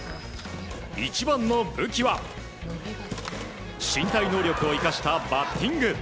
一番の武器は身体能力を生かしたバッティング。